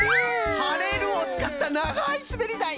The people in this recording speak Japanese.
「はれる」をつかったながいすべりだい！